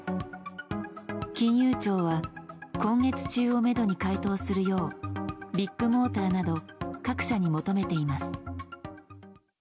金融庁は今月中をめどに回答するようビッグモーターなど各社に求めています。